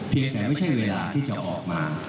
แต่ไม่ใช่เวลาที่จะออกมา